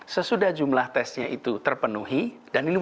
sesudah jumlah tesnya itu terpenuhi dan ini wajib